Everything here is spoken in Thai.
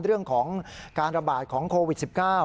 เรื่องของการระบาดของโควิด๑๙